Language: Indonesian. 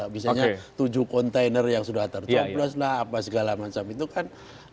misalnya tujuh kontainer yang sudah tercoblos lah apa segala macam itu kan